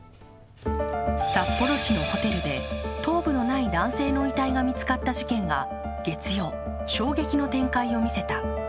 札幌市のホテルで頭部のない男性の遺体が見つかった事件が月曜、衝撃の展開を見せた。